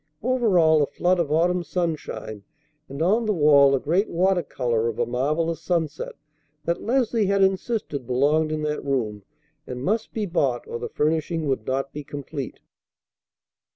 Over all a flood of autumn sunshine, and on the wall a great water color of a marvellous sunset that Leslie had insisted belonged in that room and must be bought or the furnishing would not be complete.